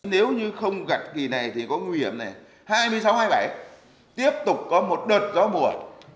nếu như không gặt kỳ này thì có nguy hiểm này hai mươi sáu hai mươi bảy tiếp tục có một đợt gió mùa